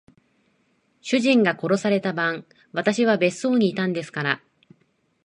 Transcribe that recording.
主人が殺された晩、私は別荘にいたんですから。